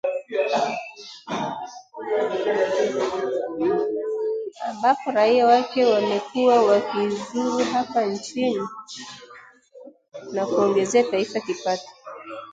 ambapo raia wake wamekuwa wakizuru hapa nchini na kuongezea taifa kipato